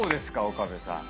岡部さん。